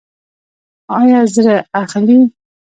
ایا زړه اخلئ؟